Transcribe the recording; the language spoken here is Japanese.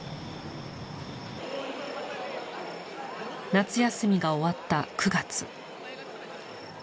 夏休みが終わった９月。